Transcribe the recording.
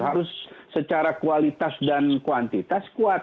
harus secara kualitas dan kuantitas kuat